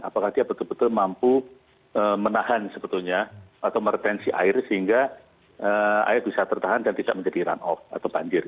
apakah dia betul betul mampu menahan sebetulnya atau meretensi air sehingga air bisa tertahan dan tidak menjadi run off atau banjir